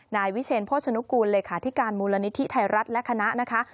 นายวิเชนโภชนุกูลเลขาธิการมูลนิธิไทยรัฐและคณะนะคะ